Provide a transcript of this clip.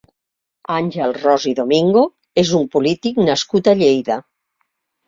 Àngel Ros i Domingo és un polític nascut a Lleida.